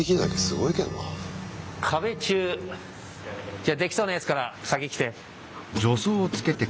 じゃあできそうなやつから先来て。